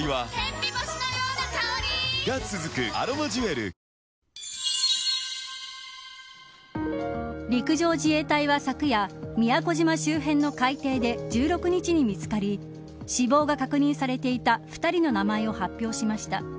劉容疑者は調べに対し自分はや陸上自衛隊は昨夜宮古島周辺の海底で１６日に見つかり死亡が確認されていた２人の名前を発表しました。